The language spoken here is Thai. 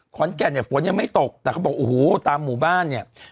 ขนแก่นฝนยังไม่ตกแต่เขาบอกโอ้โหตามหมู่บ้าน